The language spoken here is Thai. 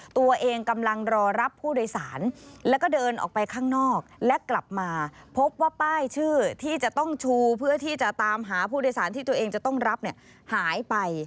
ตัวเองกำลังรอรับผู้โดยสารแล้วก็เดินออกไปข้างนอกและกลับมาพบว่าป้ายชื่อที่จะต้องชูเพื่อที่จะตามหาผู้โดยสารที่ตัวเองจะต้องรับเนี่ยหายไป